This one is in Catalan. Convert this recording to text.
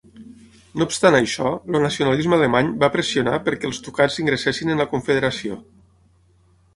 No obstant això, el nacionalisme alemany va pressionar perquè els ducats ingressessin en la Confederació.